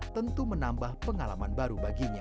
tentu menambah pengalaman baru baginya